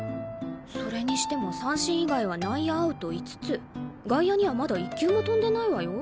それにしても三振以外は内野アウト５つ外野にはまだ１球も飛んでないわよ。